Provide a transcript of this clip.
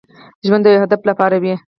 ژوند د يو هدف لپاره وي.